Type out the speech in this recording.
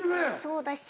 そうだし